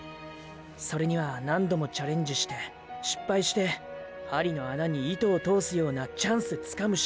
それには何度もチャレンジして失敗して針の穴に糸を通すような「チャンス」つかむしかないって先輩が言ってた。